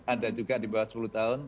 ada juga di bawah sepuluh tahun